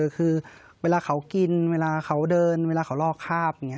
คือเวลาเขากินเวลาเขาเดินเวลาเขาลอกคาบ